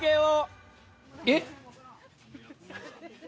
えっ？